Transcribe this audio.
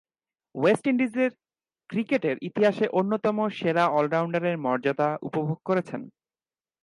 West ইন্ডিজের ক্রিকেটের ইতিহাসে অন্যতম সেরা অল-রাউন্ডারের মর্যাদা উপভোগ করেছেন।